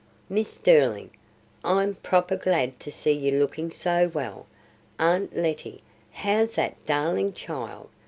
Mis' Sterlin', I'm proper glad to see you lookin' so well. Aunt Letty, how's that darlin' child?